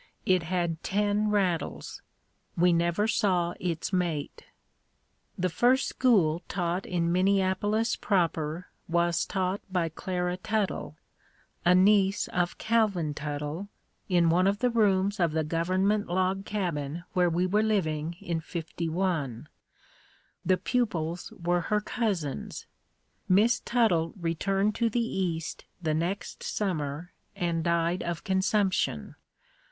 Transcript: It had ten rattles. We never saw its mate. The first school taught in Minneapolis proper was taught by Clara Tuttle, a niece of Calvin Tuttle, in one of the rooms of the government log cabin where we were living in '51. The pupils were her cousins. Miss Tuttle returned to the east the next summer and died of consumption.